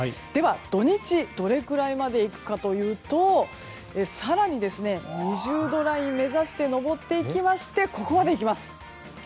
では、土日どれくらいまでいくかというと更に２０度台目指して上っていきましてここまでいきます。